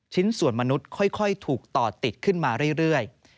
ชิ้นส่วนมนุษย์ค่อยถูกต่อติดขึ้นมาเรื่อย